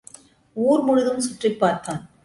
ஊர் முழுவதும் சுற்றிப்பார்த்தான்.